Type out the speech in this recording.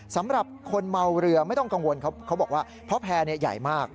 สำหรับคนเมาเรือไม่ต้องกังวลเขาบอกว่าเพราะแพร่ใหญ่มาก